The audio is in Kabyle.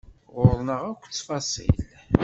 Ɣur-neɣ akk ttfaṣil.